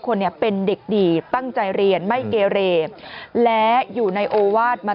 คนเนี่ยเป็นเด็กดีตั้งใจเรียนไม่เกเรและอยู่ในโอวาสมา